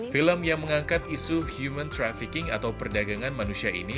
film yang mengangkat isu human trafficking atau perdagangan manusia ini